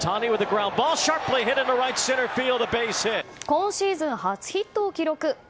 今シーズン初ヒットを記録。